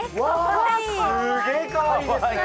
すげえかわいいですね！